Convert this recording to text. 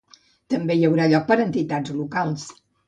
També hi haurà lloc per a entitats locals.